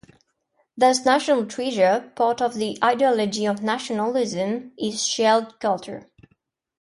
Thus national treasure, part of the ideology of nationalism, is shared culture.